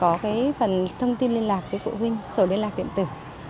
có phần thông tin liên lạc với phụ huynh sổ liên lạc điện tử